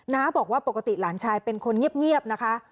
น้าบอกว่าปกติหลานชายเป็นคนเงียบนะคะ